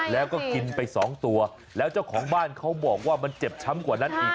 แล้วก็กินไปสองตัวแล้วเจ้าของบ้านเขาบอกว่ามันเจ็บช้ำกว่านั้นอีก